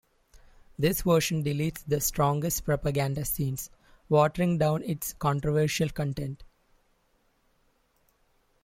This version deleted the strongest propaganda scenes, watering down its controversial content.